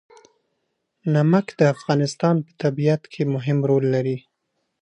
نمک د افغانستان په طبیعت کې مهم رول لري.